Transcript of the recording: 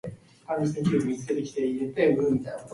The riding's successor was the Coquitlam-Moody riding.